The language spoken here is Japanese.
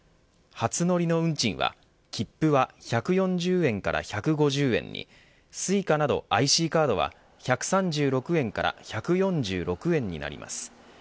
初乗りの運賃は切符は１４０円から１５０円にＳｕｉｃａなどＩＣカードは１３６円から１４６円になります。